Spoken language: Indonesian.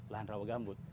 lahan rawa gambut